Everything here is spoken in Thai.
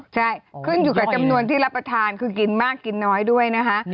ใช่ขึ้นอยู่กับจำนวนที่รับประทานคือกินมากกินน้อยด้วยนะคะ